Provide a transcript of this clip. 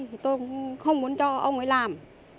thì tôi cũng không muốn cho ông ấy làm